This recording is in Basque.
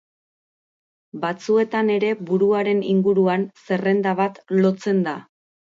Batzuetan ere buruaren inguruan zerrenda bat lotzen da.